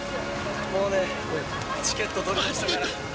もうね、チケットとりましたから。